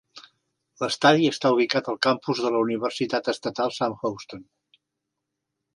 L'estadi està ubicat al campus de la Universitat Estatal Sam Houston.